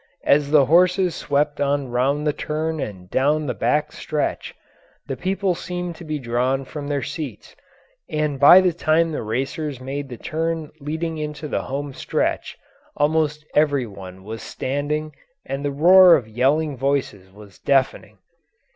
As the horses swept on round the turn and down the back stretch the people seemed to be drawn from their seats, and by the time the racers made the turn leading into the home stretch almost every one was standing and the roar of yelling voices was deafening.